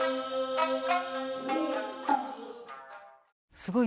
すごい。